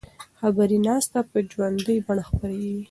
خبري ناسته په ژوندۍ بڼه خپریږي.